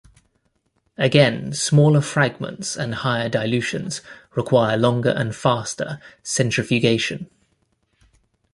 Again smaller fragments and higher dilutions require longer and faster centrifugation.